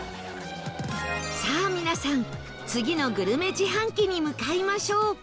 さあ皆さん次のグルメ自販機に向かいましょう